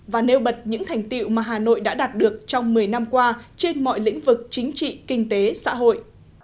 và nêu bật những thành tiệu mà hà nội đã đạt được trong một mươi năm qua trên mọi lĩnh vực chính trị kinh tế xã hội